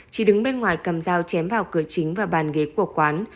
chị đứng bên ngoài cầm dao chém vào cửa chính và bàn ghế của quán